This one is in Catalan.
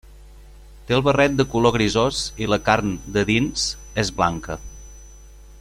Té el barret de color grisós i la carn, de dins, és blanca.